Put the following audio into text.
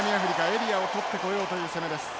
エリアを取ってこようという攻めです。